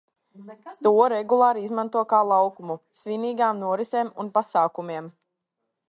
To regulāri izmanto kā laukumu svinīgām norisēm un pasākumiem.